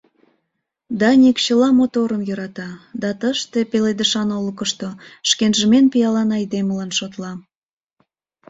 Даник чыла моторым йӧрата да тыште, пеледышан олыкышто, шкенжым эн пиалан айдемылан шотла.